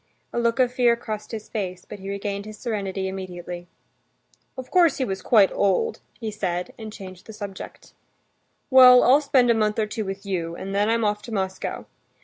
A look of fear crossed his face, but he regained his serenity immediately. "Of course he was quite old," he said, and changed the subject. "Well, I'll spend a month or two with you, and then I'm off to Moscow.